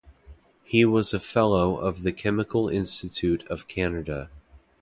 He was a fellow of the Chemical Institute of Canada.